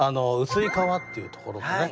薄い皮っていうところとね